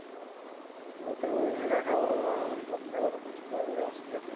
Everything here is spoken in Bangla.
ভারতের গুজরাটের কাকরাপাড় পারমাণবিক কেন্দ্রে গতকাল শুক্রবার জরুরি অবস্থা জারি করা হয়েছে।